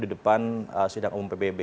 di depan sidang umum pbb